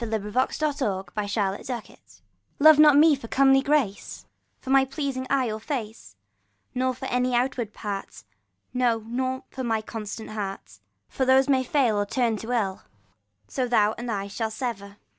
LOVE NOT ME FOR COMELY GRACE LOVE not me for comely grace, For my pleasing eye or face ; Nor for any outward part, No, nor for my constant heart : For those may fail or turn to ill, So thou and I shall sever.